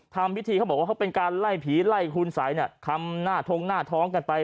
ทำพิธีเขาบอกว่าเขาเป็นการไล่ผีไล่คุณสัยทำหน้าทงหน้าท้องกันไป